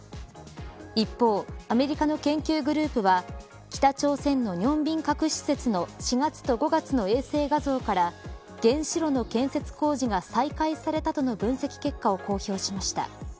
一方、アメリカの研究グループは北朝鮮の寧辺核施設の４月と５月の衛星画像から原子炉の建設工事が再開されたとの分析結果を公表しました。